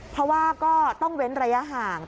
เพราะว่าก็ต้องเว้นระยะห่าง